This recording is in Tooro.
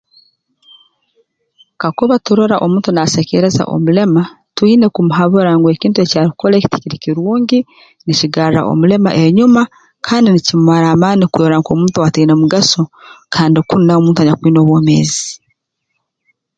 Kakuba turora omuntu naasekeereza omulema twina kumuhabura ngu ekintu ekyarukukora eki tikiri kirungi nikigarra omulema enyuma kandi nikimumara amaani kwerora nk'omuntu owaataine mugaso kandi kunu nawe muntu anyakwina obwomeezi